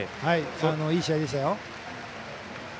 いい試合でしたよ。